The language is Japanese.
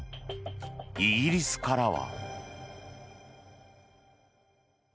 イギリスからは。